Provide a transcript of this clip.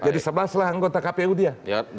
jadi sebelas lah anggota kpu dia